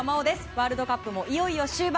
ワールドカップもいよいよ終盤。